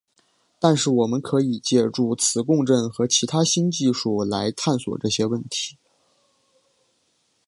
但是我们可以借助磁共振和其他新技术来探索这些问题。